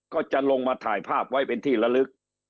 ก็จะลงมาถ่ายภาพไว้เป็นที่ละลึก